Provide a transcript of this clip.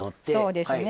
そうですね。